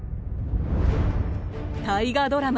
大河ドラマ